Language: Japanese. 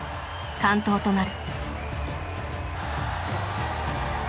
「完登」となる。